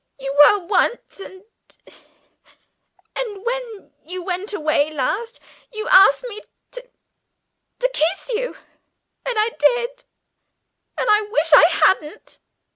You were once. And and when you went away last you asked me to to kiss you, and I did, and I wish I hadn't.